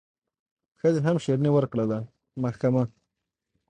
ښځي هم شیریني ورکړله محکمه